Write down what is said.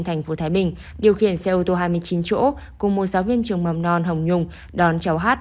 thành phố thái bình điều khiển xe ô tô hai mươi chín chỗ cùng một giáo viên trường mầm non hồng nhung đón cháu hát